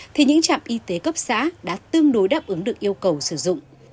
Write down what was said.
thì những trạm y tế cấp xã đã tương đối đáp ứng được yêu cầu sử dụng